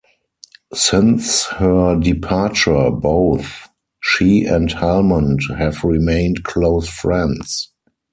Since her departure, both she and Helmond have remained close friends.